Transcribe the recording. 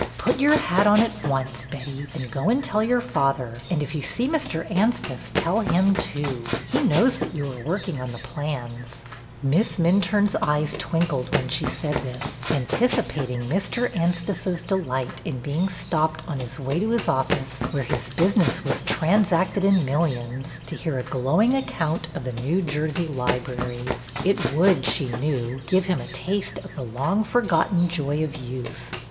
'' Put your hat on at once, Betty, and go and tell your father, and if you see Mr. Anstice tell him too. He knows that you were working on the plans." 312 BETTY BAIRD'S VENTURES Miss Minturne's eyes twinkled when she said this, anticipating Mr. Anstice's delight in being stopped on his way to his office, where business was transacted in millions, to hear a glowing account of the New Jersey library. It would, she knew, give him a taste of the long forgotten joy of youth.